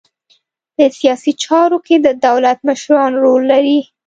په سیاسي چارو کې د دولت مشران رول لري